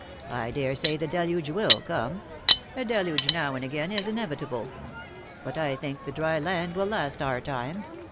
I daresay the deluge ivill come — a deluge now and again is inevitable ; but I think the dry land will last our time.